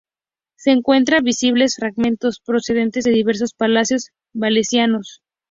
Se encuentran visibles fragmentos procedentes de diversos palacios valencianos.